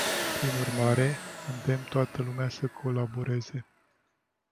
Prin urmare, îndemn toată lumea să colaboreze.